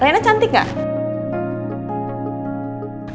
reina cantik gak